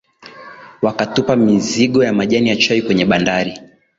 wakatupa mizigo ya majani ya chai kwenye bandari